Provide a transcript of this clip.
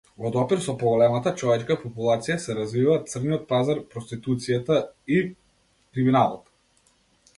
Во допир со поголемата човечка популација се развиваат црниот пазар, проституцијата и криминалот.